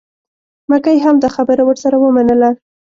مکۍ هم دا خبره ورسره ومنله.